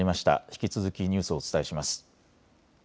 引き続きニュースをお伝えします。